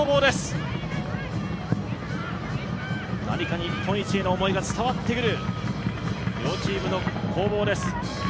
何か日本一への思いが伝わってくる両チームの攻防です。